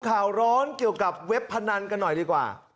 ข่าวร้อนเกี่ยวกับเว็บพนันกันหน่อยดีกว่า